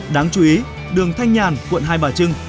đáng chú ý đường thanh nhàn quận hai bà trưng